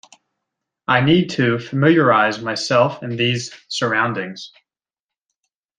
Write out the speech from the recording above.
I need to familiarize myself in these surroundings.